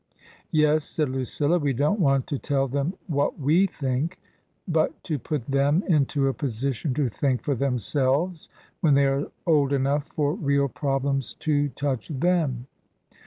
" Yes," said Lucilla, " we don't want to tell them what we think, but to put them. into a position to think for themselves — when thej^are old enough for real problems to touch them."